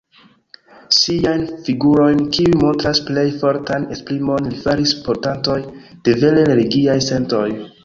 Siajn figurojn, kiuj montras plej fortan esprimon, li faris portantoj de vere religiaj sentoj.